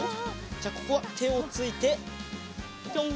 じゃあここはてをついてぴょん。